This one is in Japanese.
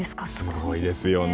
すごいですよね。